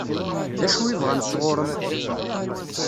D acu i bɣan sɣur-m?